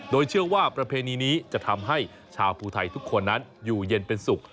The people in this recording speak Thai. โดยเชื่อว่าประเพณีนี้จะทำให้ชาวภูไทยทุกคนนั้นอยู่เย็นเป็นสุข